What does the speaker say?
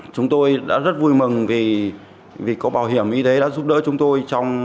chúng tôi đã rất vui mừng vì có bảo hiểm y tế đã giúp đỡ chúng tôi